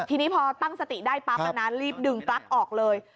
ทีนี้พอตั้งสติได้ปั๊บนะรีบดึงปลั๊กออกเลย